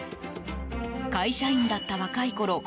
会社員だった若いころ